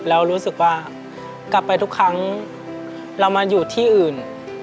แล้วรู้สึกว่ากลับไปทุกครั้งเรามาอยู่ที่อื่น